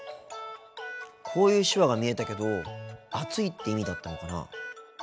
こういう手話が見えたけど暑いって意味だったのかな。